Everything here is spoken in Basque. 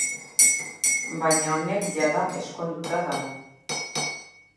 Baina honek jada ezkonduta dago.